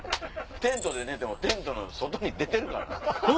テントで寝てもテントの外に出てるからな。